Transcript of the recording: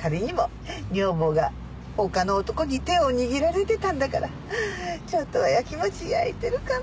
仮にも女房が他の男に手を握られてたんだからちょっとは焼きもち焼いてるかも。